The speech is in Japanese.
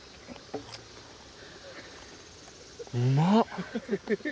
うまっ！